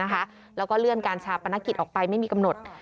แล้วก็เลื่อนการชาปนกิจออกไปไม่มีกำหนด